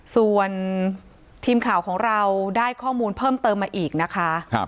ส่วนทีมข่าวของเราได้ข้อมูลเพิ่มเติมมาอีกนะคะ